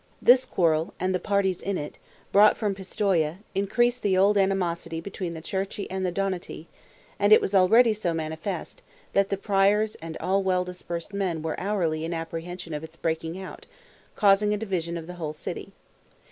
This quarrel, and the parties in it, brought from Pistoia, increased the old animosity between the Cerchi and the Donati, and it was already so manifest, that the Priors and all well disposed men were in hourly apprehension of its breaking out, and causing a division of the whole city.